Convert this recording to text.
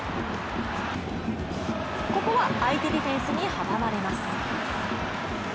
ここは相手ディフェンスに阻まれます。